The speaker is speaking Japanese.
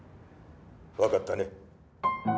分かったね？